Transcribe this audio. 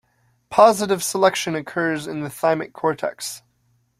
Positive selection occurs in the thymic cortex.